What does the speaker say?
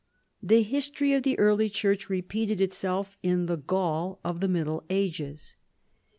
The history of the early church repeated itself in the Gaul of the Middle Ages.